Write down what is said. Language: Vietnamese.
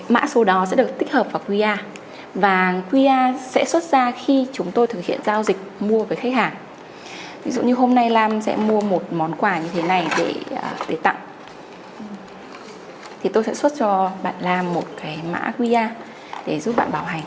một cái mã qr để giúp bạn bảo hành